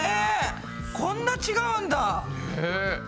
こんな違うんだ！ね。